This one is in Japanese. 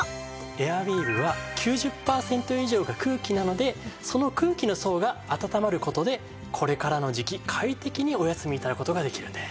エアウィーヴは９０パーセント以上が空気なのでその空気の層があたたまる事でこれからの時期快適にお休み頂く事ができるんです。